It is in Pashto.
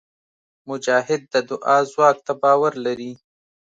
مجاهد د دعا ځواک ته باور لري.